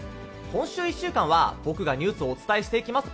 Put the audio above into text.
今週１週間は、僕がニュースをお伝えしていきます。